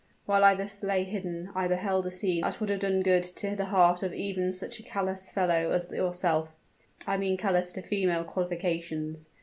While I thus lay hidden, I beheld a scene that would have done good to the heart of even such a callous fellow as yourself I mean callous to female qualifications.